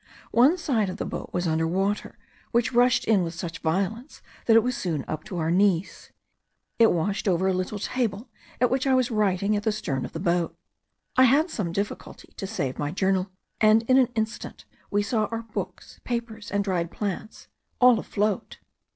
One side of the boat was under water, which rushed in with such violence that it was soon up to our knees. It washed over a little table at which I was writing at the stern of the boat. I had some difficulty to save my journal, and in an instant we saw our books, papers, and dried plants, all afloat.